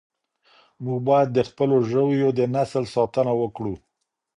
موږ باید د خپلو ژویو د نسل ساتنه وکړو.